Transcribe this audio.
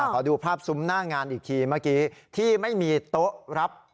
ขอดูภาพซุ้มหน้างานอีกทีเมื่อกี้ที่ไม่มีโต๊ะรับ